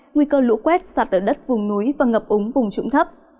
nguy cơ lũ quét sạt ở đất vùng núi và ngập úng vùng trũng thấp